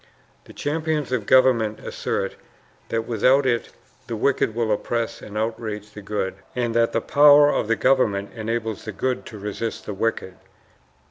The champions of government assert that without it the wicked will oppress and outrage the good, and that the power of the government enables the good to resist the wicked."